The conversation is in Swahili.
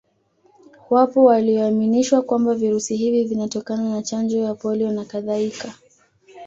Wapo walioaminishwa kwamba virusi hivi vinatokana na Chanjo ya polio na Kadhaika